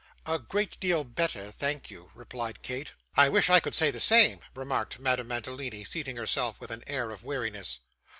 'A great deal better, thank you,' replied Kate. 'I wish I could say the same,' remarked Madame Mantalini, seating herself with an air of weariness.